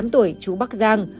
hai mươi tám tuổi chú bắc giang